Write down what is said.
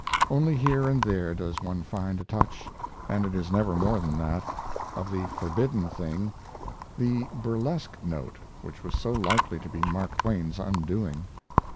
Only here and there does one find a touch and it is never more than that of the forbidden thing, the burlesque note which was so likely to be Mark Twain's undoing.